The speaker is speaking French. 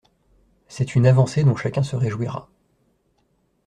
C’est une avancée dont chacun se réjouira.